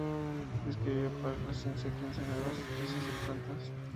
Describió, para la ciencia, quince nuevas especies de plantas.